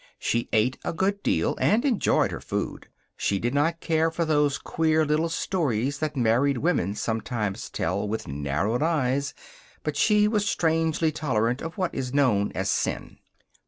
She ate a good deal, and enjoyed her food. She did not care for those queer little stories that married women sometimes tell, with narrowed eyes, but she was strangely tolerant of what is known as sin.